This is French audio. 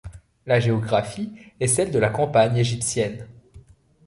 La géographie est celle de la campagne égyptienne.